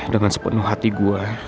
dengan sepenuh hati gue